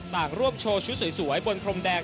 ร่วมโชว์ชุดสวยบนพรมแดง